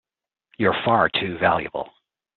You're far too valuable!